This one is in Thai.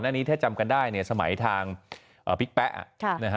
หน้านี้ถ้าจำกันได้สมัยทางพิกแป๊ะ